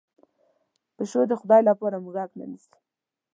پشو د خدای لپاره موږک نه نیسي.